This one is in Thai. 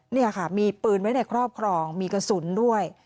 นี่ค่ะมีปืนไว้ในครอบครองมีกระสุนด้วย